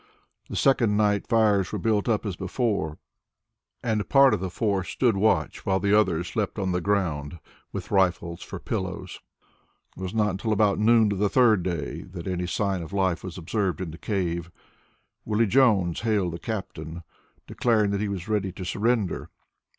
The second night fires were built up as before, and part of the force stood watch while the others slept on the ground with rifles for pillows. It was not until about noon of the third day that any sign of life was observed in the cave. Willie Jones hailed the captain, declaring that he was ready to surrender.